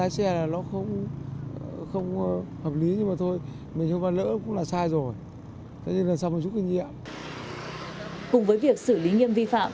cùng với việc xử lý nghiêm vi phạm